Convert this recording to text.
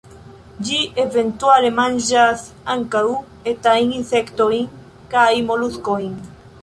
Ĝi eventuale manĝas ankaŭ etajn insektojn kaj moluskojn.